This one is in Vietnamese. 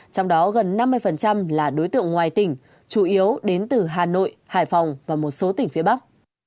trong đó gần năm mươi là đối tượng ngoài tỉnh chủ yếu đến từ hà nội hải phòng và một số tỉnh phía bắc